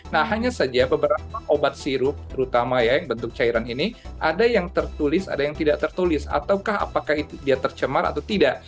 nah hanya saja beberapa obat sirup terutama ya yang bentuk cairan ini ada yang tertulis ada yang tidak tertulis ataukah apakah itu dia tercemar atau tidak